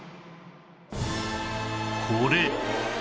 これ